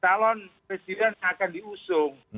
talon presiden akan diusung